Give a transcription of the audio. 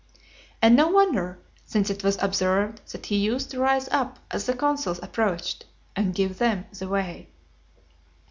And no wonder; since it was observed that he used to rise up as the consuls approached, and give them the way.